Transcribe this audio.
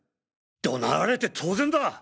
怒鳴られて当然だ！